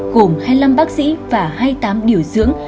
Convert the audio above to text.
gồm hai mươi năm bác sĩ và hai mươi tám điều dưỡng